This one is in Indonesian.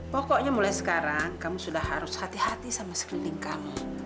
pokoknya mulai sekarang kamu sudah harus hati hati sama sekeliling kamu